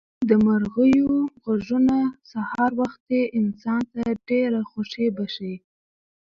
د مرغیو غږونه سهار وختي انسان ته ډېره خوښي بښي.